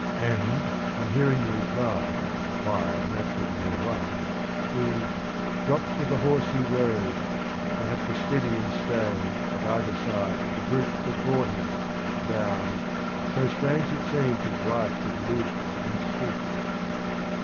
And on hearing the reply, "Why, naturally your wife," he "drops O' the horse he rode, — they have to steady and stay, At either side the brute that bore him, bound, So strange it seemed his wife should live and speak